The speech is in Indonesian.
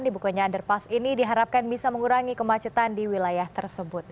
dibukanya underpass ini diharapkan bisa mengurangi kemacetan di wilayah tersebut